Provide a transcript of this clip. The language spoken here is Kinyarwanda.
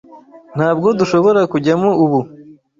Ntabwo dushobora kujyamo ubu.